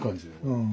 うん。